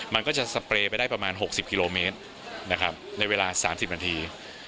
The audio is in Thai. มันก็จะสเปรย์ไปได้ประมาณ๖๐กิโลเมตรนะครับในเวลา๓๐นาที